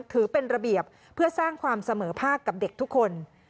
ถือเป็นระเบียบเพื่อสร้างความเสมอภาคกับเด็กทุกคน